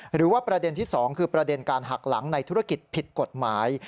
หรือว่าประเด็นที่๒คือประเด็นการหักหลังในธุรกิจผิดกฎหมาย